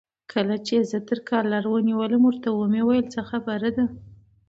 لکه زه چې یې تر کالر ونیولم، ورته مې وویل: څه خبره ده؟